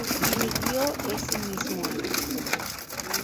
Dimitió ese mismo año.